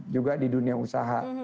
juga di dunia usaha